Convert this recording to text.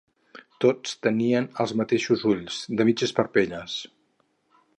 Tots tenien els mateixos ulls, de mitges parpelles